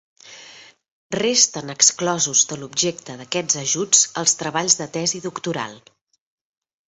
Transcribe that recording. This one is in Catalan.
Resten exclosos de l'objecte d'aquests ajuts els treballs de tesi doctoral.